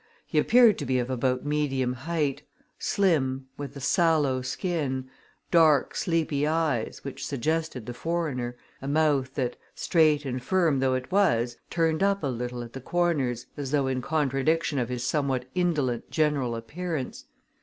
He appeared to be of about medium height; slim, with a sallow skin; dark, sleepy eyes, which suggested the foreigner; a mouth that, straight and firm though it was, turned up a little at the corners, as though in contradiction of his somewhat indolent general appearance.